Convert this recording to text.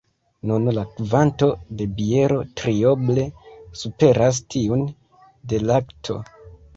Nun la kvanto de biero trioble superas tiun de lakto.